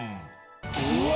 うわ